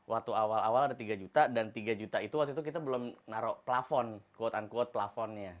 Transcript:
waktu awal awal ada tiga juta dan tiga juta itu waktu itu kita belum naruh plafon quote unquote plafonnya